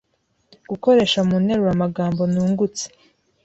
Gukoresha mu nteruro amagambo nungutse